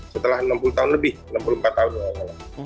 setelah enam puluh tahun lebih enam puluh empat tahun